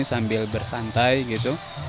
sambil bersantai gitu